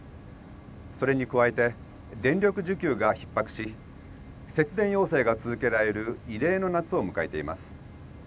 それに加えて電力需給がひっ迫し節電要請が続けられる異例の夏を迎えています。